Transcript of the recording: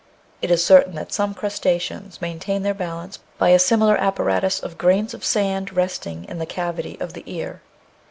It is certain that some Crustaceans maintain their balance by a similar apparatus of grains of sand resting in the cavity of the ear.